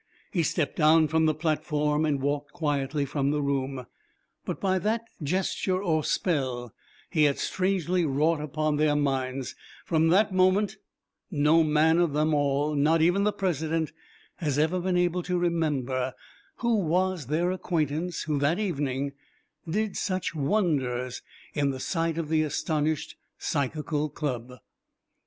He stepped down from the platform and walked quietly from the room. But by that gesture or spell he had strangely wrought upon their minds; from that moment no man of them all, not even the President, has ever been able to remember who was their acquaintance who that evening did such wonders in the sight of the astonished Psychical Club.